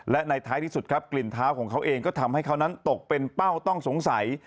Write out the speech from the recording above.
และในท้ายที่สุดครับกลิ่นเท้าของเขาเองก็ทำให้เขานั้นตกเป็นเป้าต้องสงสัย